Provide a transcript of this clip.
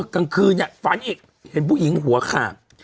กลางคืนฝันอีกเห็นผู้หญิงหัวขาด